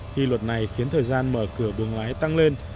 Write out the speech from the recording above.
khi luật này khiến thời gian mở cửa buồn lái tăng lên